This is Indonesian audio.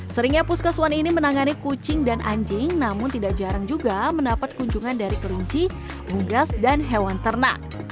seringnya puskeswan ini menangani kucing dan anjing namun tidak jarang juga mendapat kunjungan dari kerinci bunggas dan hewan ternak